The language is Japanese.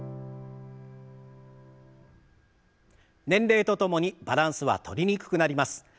年齢とともにバランスはとりにくくなります。